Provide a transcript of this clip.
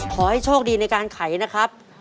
ขอให้โชคดีในการไขนะครับ